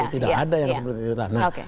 tidak ada yang seperti itu